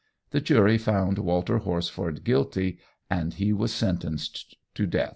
The jury found Walter Horsford guilty, and he was sentenced to death.